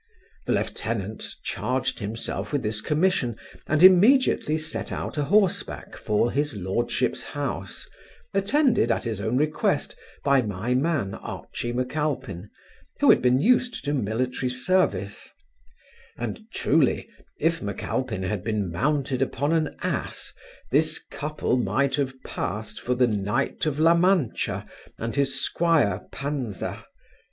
The lieutenant charged himself with this commission, and immediately set out a horseback for his lordship's house, attended, at his own request, by my man Archy Macalpine, who had been used to military service; and truly, if Macalpine had been mounted upon an ass, this couple might have passed for the knight of La Mancha and his 'squire Panza.